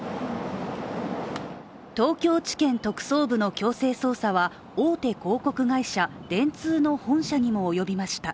東京地検特捜部の強制捜査は大手広告会社・電通の本社にもおよびました。